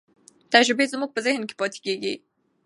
تجربې زموږ په ذهن کې پاتې کېږي.